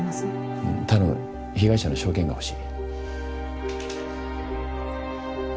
うん頼む被害者の証言が欲しい。